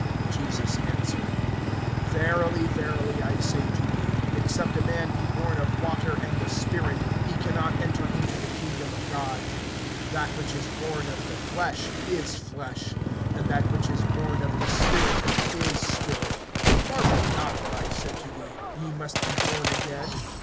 (5)Jesus answered: Verily, verily, I say to thee, except a man be born of water and the Spirit, he can not enter into the kingdom of God. (6)That which is born of the flesh is flesh; and that which is born of the Spirit is spirit. (7)Marvel not that I said to thee: Ye must be born again.